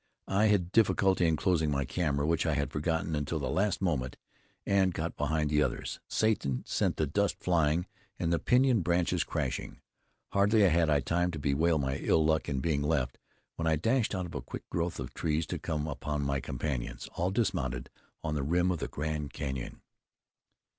I had difficulty in closing my camera, which I had forgotten until the last moment, and got behind the others. Satan sent the dust flying and the pinyon branches crashing. Hardly had I time to bewail my ill luck in being left, when I dashed out of a thick growth of trees to come upon my companions, all dismounted on the rim of the Grand Canyon.